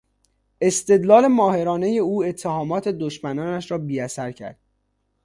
استدلال ماهرانهی او اتهامات دشمنانش را بیاثر کرد.